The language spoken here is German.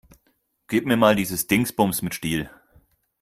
Gib mir mal dieses Dingsbums mit Stiel.